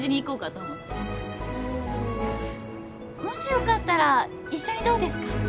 もしよかったら一緒にどうですか？